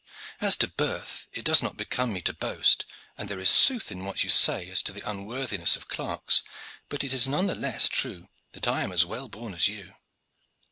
As to birth, it does not become me to boast, and there is sooth in what you say as to the unworthiness of clerks, but it is none the less true that I am as well born as you."